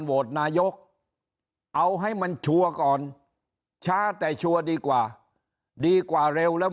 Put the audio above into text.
โหวตนายกเอาให้มันชัวร์ก่อนช้าแต่ชัวร์ดีกว่าดีกว่าเร็วแล้ว